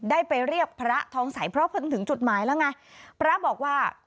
ได้ไปเรียกพระทองสัยเพราะเพิ่งถึงจุดหมายแล้วไงพระบอกว่า